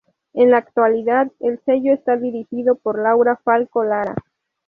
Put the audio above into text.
En la actualidad, el sello está dirigido por Laura Falcó Lara.